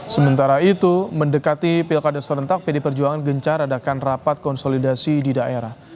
sementara itu mendekati pilkada serentak pd perjuangan gencar adakan rapat konsolidasi di daerah